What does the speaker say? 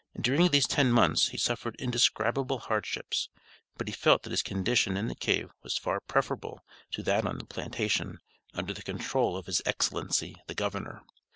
During these ten months he suffered indescribable hardships, but he felt that his condition in the cave was far preferable to that on the plantation, under the control of his Excellency, the Governor.